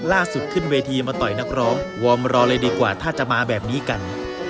ขึ้นเวทีมาต่อยนักร้องวอร์มรอเลยดีกว่าถ้าจะมาแบบนี้กัน